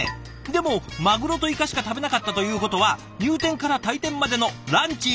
でもマグロとイカしか食べなかったということは入店から退店までのランチ